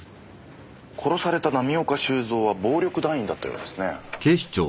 殺された浪岡収造は暴力団員だったようですね。